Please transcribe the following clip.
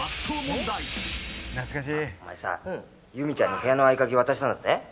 「お前さユミちゃんに部屋の合鍵渡したんだって？」